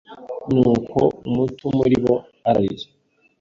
Ni uko umuto muri bo ararira